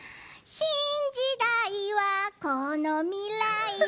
「新時代はこの未来だ」